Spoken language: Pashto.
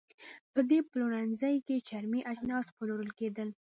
په دې پلورنځۍ کې چرمي اجناس پلورل کېدل.